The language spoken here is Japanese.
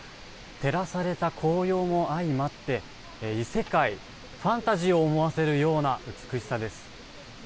照らされた紅葉も相まって異世界、ファンタジーを思わせるような美しさです。